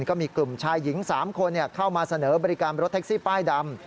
ก็มีกลุ่มชายหญิง๓คนเข้ามาเสนอบริการรถแท็กซี่ป้ายดำ